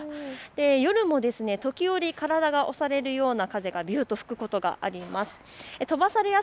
夜も時折、体が押されるような風がびゅーっと吹くようなことがあります。